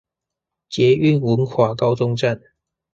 捷運文華高中站